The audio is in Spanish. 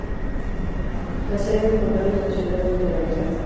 La sede del condado es la ciudad de Talladega.